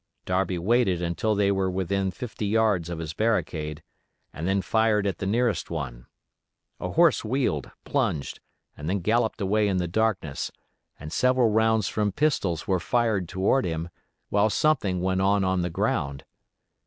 Darby waited until they were within fifty yards of his barricade, and then fired at the nearest one. A horse wheeled, plunged, and then galloped away in the darkness, and several rounds from pistols were fired toward him, whilst something went on on the ground.